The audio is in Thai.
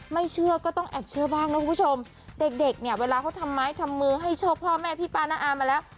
ไม่เชื่อก็ต้องแอบเชื่อบ้างนะคุณผู้ชมเด็กเด็กเนี่ยเวลาเขาทำไม้ทำมือให้โชคพ่อแม่พี่ป้าน้าอามมาแล้ว